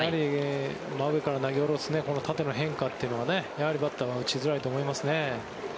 真上から投げ下ろす縦の変化というのはやはりバッターは打ちづらいと思いますね。